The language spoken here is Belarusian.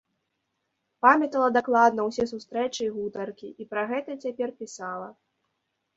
Памятала дакладна ўсе сустрэчы і гутаркі і пра гэта цяпер пісала.